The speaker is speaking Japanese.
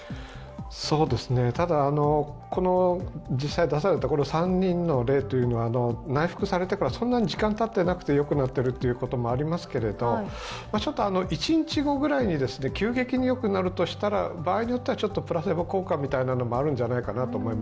ただ、実際出された３人の例は、内服されてからそんなに時間がたってなくてよくなっていることもありますがちょっと１日後くらいに急激によくなるとしたら、場合によってはプラセボ効果みたいなものがあるんじゃないかと。